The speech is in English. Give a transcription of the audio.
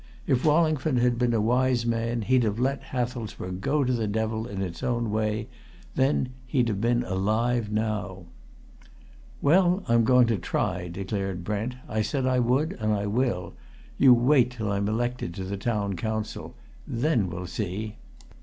If Wallingford had been a wise man he'd have let Hathelsborough go to the devil in its own way; then he'd have been alive now." "Well, I'm going to try," declared Brent. "I said I would, and I will! You wait till I'm elected to that Town Council! Then we'll see."